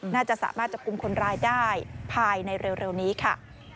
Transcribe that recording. น่าจะสามารถจับกลุ่มคนร้ายได้ภายในเร็วนี้ค่ะ